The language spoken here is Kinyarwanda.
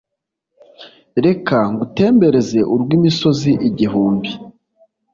reka ngutembereze urwimisozi igihumbi,